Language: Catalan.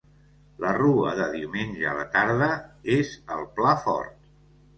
La rua de diumenge a la tarda és el plat fort.